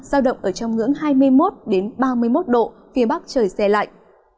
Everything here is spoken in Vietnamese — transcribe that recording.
giao động ở trong ngưỡng hai mươi một ba mươi một độ phía bắc trời xe lạnh